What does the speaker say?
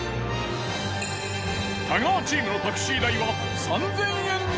太川チームのタクシー代は３，０００円に。